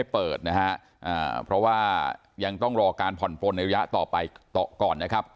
เพราะว่ายังต้องรอการผ่อนปนในระยะต่อไปก่อน